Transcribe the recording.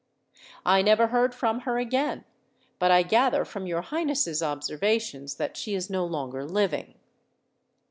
I never heard from her again; but I gather from your Highness's observations that she is no longer living!"